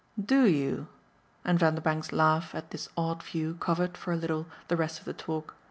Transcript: "DO you?" And Vanderbank's laugh at this odd view covered, for a little, the rest of the talk.